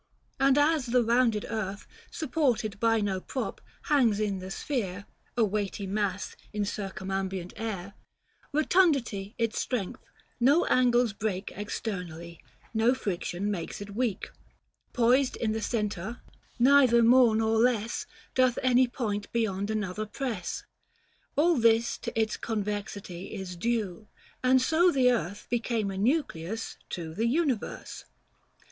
And as the rounded earth, Supported by no prop, hangs in the sphere A weighty mass in circumambient air, Kotundity its strength, no angles break Externally, no friction makes it weak, 325 Poised in the centre, neither more nor less Doth any point beyond another press. All this to its convexity is due, And so the earth became a nucleus to The universe.